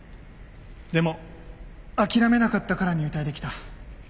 でも諦めなかったから入隊できた。